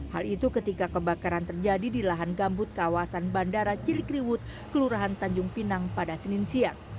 hal itu ketika kebakaran terjadi di lahan gambut kawasan bandara cilikriwut kelurahan tanjung pinang pada senin siang